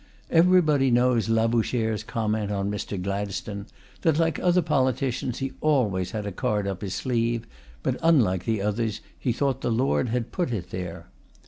Everybody knows Labouchere's comment on Mr. Gladstone, that like other politicians he always had a card up his sleeve, but, unlike the others, he thought the Lord had put it there.